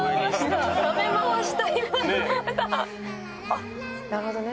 「あっなるほどね。